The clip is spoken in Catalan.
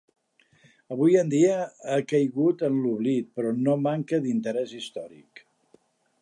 Avui en dia ha caigut en l'oblit, però no manca d'interès històric.